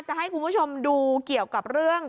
จะให้คุณผู้ชมดูเกี่ยวกับเรื่อง